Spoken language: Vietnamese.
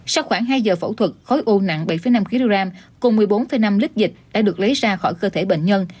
sau khoảng hai giờ phẫu thuật khối u nặng bảy năm kg cùng một mươi bốn năm lít dịch đã được lấy ra khỏi cơ thể bệnh nhân